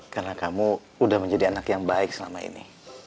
karena kamu udah menjadi anak yang baik selama ini